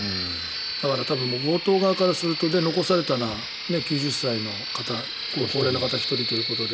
だから強盗側からすると残された９０歳の方高齢の方お一人ということで